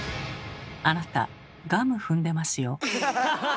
あなたガム踏んでますよ。